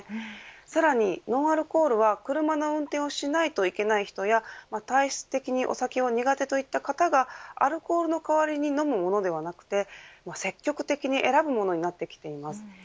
さらにノンアルコールは車の運転をしないといけない人や体質的にお酒が苦手という方がアルコールの代わりに飲むものではなく積極的に選ぶものになってきています。